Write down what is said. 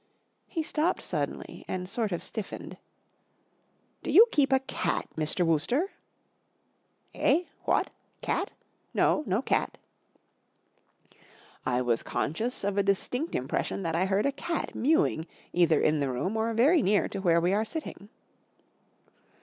'' He stopped suddenly and sort of stiffened. 4 Do you keep a cat, Mr. Wooster?" " Fh ? What ? Cat ? No, no cat " 44 I was conscious of a distinct impression that I had heard a cat mewing either in the room or very near to where we are sitting."